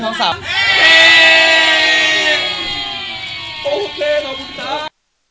โอเคขอบคุณพี่ตา